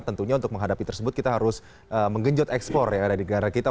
tentunya untuk menghadapi tersebut kita harus menggenjot ekspor negara negara kita